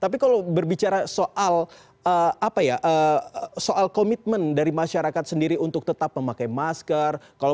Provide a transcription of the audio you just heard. tapi kalau berbicara soal komitmen dari masyarakat sendiri untuk tetap memakai masker